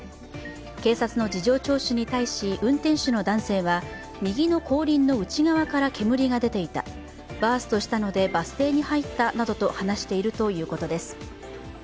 警察の事情聴取に対し、運転手の男性は右の後輪の内側から煙が出ていた、バーストしたのでバス停に入ったなどと話しているということです。